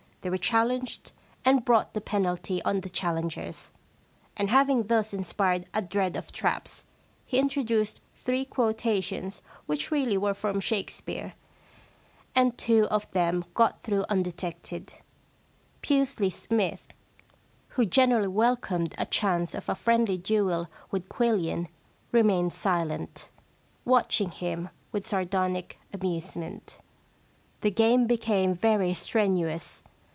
They were challenged, and brought the penalty on the challengers. And having thus inspired a dread of traps, he introduced three quotations which really were from Shakespeare, and two of 136 The Shakespearean Problem them got through undetected. Pusely Smythe, who generally welcomed a chance of a friendly duel with Quillian remained silent, watching him with sardonic amusement. The game became very strenuous.